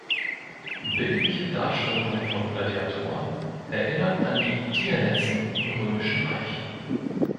Bildliche Darstellungen von Gladiatoren erinnern an die Tierhetzen im Römischen Reich.